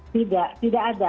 tidak tidak ada